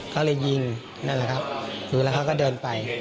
ก็เลยยิงนั่นแหละครับดูแล้วเขาก็เดินไป